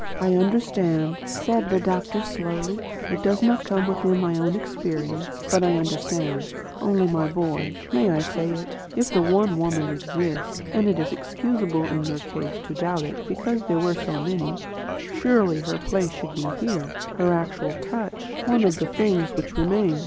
"I understand," said the doctor slowly. "It does not come within my own experience, but I understand. Only my dear boy, may I say it? if the One Woman exists and it is excusable in your case to doubt it, because there were so many surely her place should be here; her actual touch, one of the things which remain."